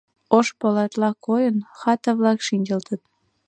Ош полатла койын, хата-влак шинчылтыт.